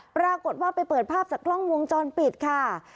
ปรากฏว่าไปเปิดภาพจากกล้องวงจรปิดค่ะ